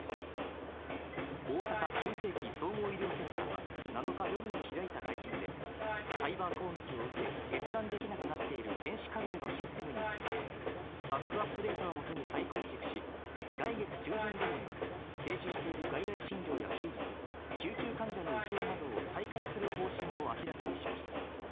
大阪急性期・総合医療センターは７日夜に開いた会見で、サイバー攻撃を受け閲覧できなくなっている電子カルテのシステムについて、バックアップデータをもとに再構築し、来月中旬頃には停止している外来診療や手術、救急患者の受け入れなどを再開する方針を明らかにしました。